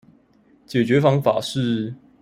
解決方式是